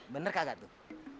bener kagak tuh